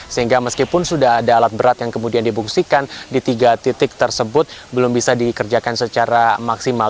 sehingga meskipun sudah ada alat berat yang kemudian dibungsikan di tiga titik tersebut belum bisa dikerjakan secara maksimal